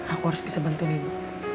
aku harus bisa bantuin ini